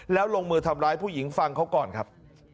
แล้วลงมือทำร้ายผู้หญิงฟังเขาก่อนครับ